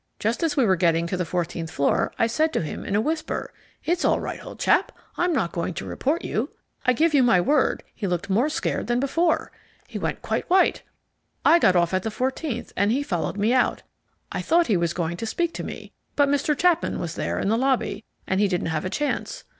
Just as we were getting to the fourteenth floor I said to him in a whisper, "It's all right, old chap, I'm not going to report you." I give you my word he looked more scared than before. He went quite white. I got off at the fourteenth, and he followed me out. I thought he was going to speak to me, but Mr. Chapman was there in the lobby, and he didn't have a chance.